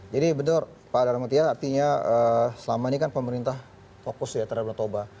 jadi betul pak darma artia artinya selama ini kan pemerintah fokus ya terhadap danau toba